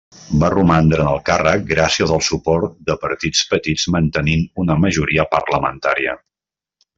Va romandre en el càrrec, gràcies al suport de partits petits mantenint una majoria parlamentària.